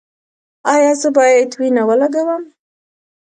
ایا زه باید وینه ولګوم؟